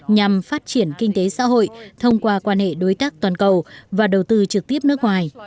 nhằm phát triển kinh tế xã hội thông qua quan hệ đối tác toàn cầu và đầu tư trực tiếp nước ngoài